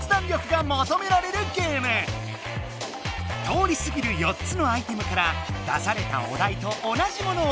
通りすぎる４つのアイテムから出されたお題と同じものをえらぶ。